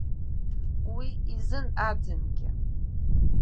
Уи изын аӡынгьы.